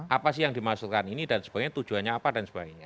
apa sih yang dimaksudkan ini dan sebagainya tujuannya apa dan sebagainya